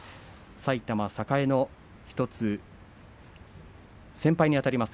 埼玉栄の１つ先輩にあたります